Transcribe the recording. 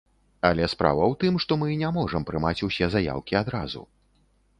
Але справа ў тым, што мы не можам прымаць усе заяўкі адразу.